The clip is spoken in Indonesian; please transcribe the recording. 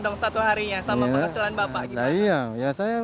bagaimana dengan penghasilan bapak